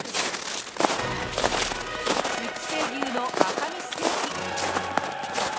熟成牛の赤身ステーキ。